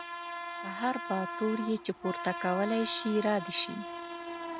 هر باتور یې چې پورته کولی شي را دې شي.